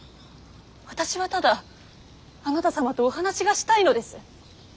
私はただあなた様とお話がしたいのです。